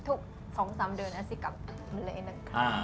ทุก๒๓เดือนอัลซิกกลับเมล็ดนะครับ